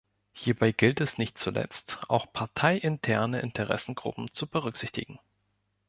Hierbei gilt es nicht zuletzt auch parteiinterne Interessengruppen zu berücksichtigen.